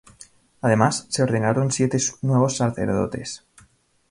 Además, se ordenaron siete nuevos sacerdotes.